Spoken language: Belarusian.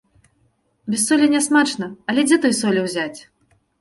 Без солі нясмачна, але дзе той солі ўзяць?